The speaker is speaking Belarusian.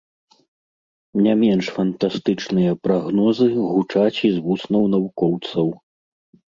Не менш фантастычныя прагнозы гучаць і з вуснаў навукоўцаў.